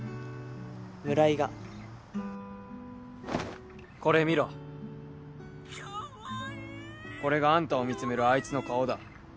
村井がこれ見ろきゃわいいこれがあんたを見つめるあいつの顔だ